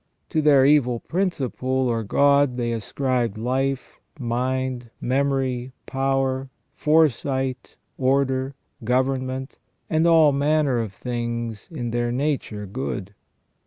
To their evil principle, or god, they ascribed life, mind, memory, power, foresight, order, government, and all manner of things in their nature good.